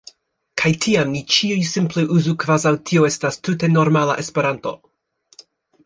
Kaj tiam ni ĉiuj simple uzu kvazaŭ tio estas tute normala Esperanto.